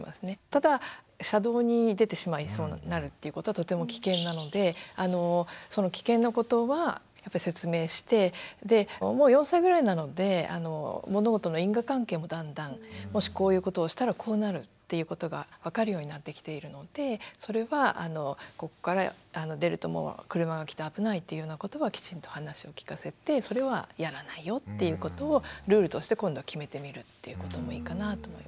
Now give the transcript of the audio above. ただ車道に出てしまいそうになるっていうことはとても危険なのでその危険なことはやっぱり説明してでもう４歳ぐらいなので物事の因果関係もだんだんもしこういうことをしたらこうなるっていうことが分かるようになってきているのでそれはここから出ると車が来て危ないっていうようなことはきちんと話を聞かせてそれはやらないよっていうことをルールとして今度決めてみるっていうこともいいかなぁと思いますね。